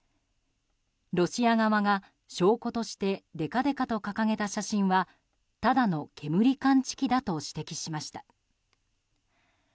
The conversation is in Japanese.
ロシア側が証拠としてでかでかと掲げた写真はただの煙感知器だと指摘しました。